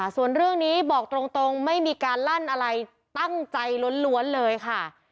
ส่วนเรื่องนี้บอกตรงไม่มีการลั่นอะไรตั้งใจล้วนเลยค่ะ